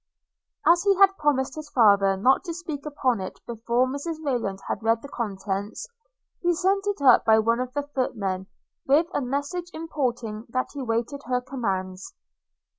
As he had promised his father not to speak upon it before Mrs Rayland had read the contents, he sent it up by one of the footmen, with a message importing that he waited her commands.